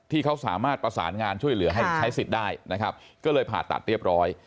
ที่เขาสามารถประสานงานช่วยเหลือให้ใช้สิทธิ์ได้นะครับก็เลยผ่าตัดเรียบร้อย